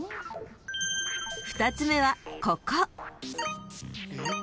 ［２つ目はここ］